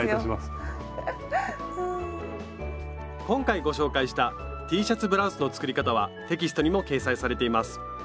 今回ご紹介したＴシャツブラウスの作り方はテキストにも掲載されています。